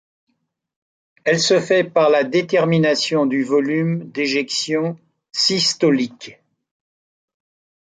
Elle se fait par la détermination du volume d'éjection systolique.